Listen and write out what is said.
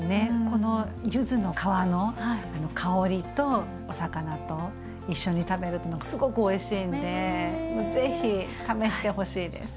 この柚子の皮の香りとお魚と一緒に食べるとすごくおいしいんでぜひ試してほしいです。